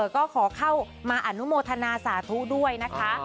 ก็ขอเข้ามาอนุโมทนาสาธุด้วยนะคะ